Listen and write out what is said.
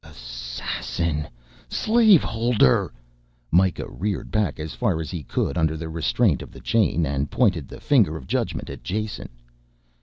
"Assassin! Slave holder!" Mikah reared back, as far as he could under the restraint of the chain, and pointed the finger of judgment at Jason.